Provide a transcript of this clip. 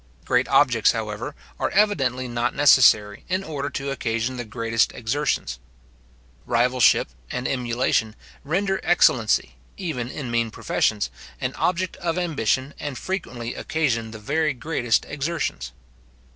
Great objects, however, are evidently not necessary, in order to occasion the greatest exertions. Rivalship and emulation render excellency, even in mean professions, an object of ambition, and frequently occasion the very greatest exertions.